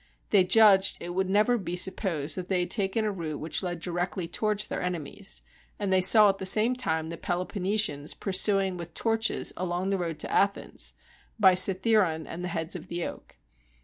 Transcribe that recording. They judged it would never be sup pK)sed that they had taken a route which led directly towards their enemies; and they saw at the same time the Peloponnesians pursuing with torches along the road to Athens, by Cythaeron and the Heads of the Oak.